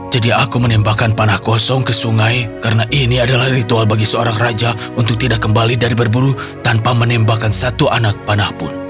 jadi aku menembakkan panah kosong ke sungai karena ini adalah ritual bagi seorang raja untuk tidak kembali dari berburu tanpa menembakkan satu anak panah pun